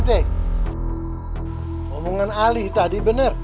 ternyata suami ini memang rohayeh dengan menjadi hantu roma belanda